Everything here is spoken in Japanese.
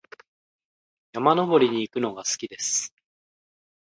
山登りに行くのが好きです。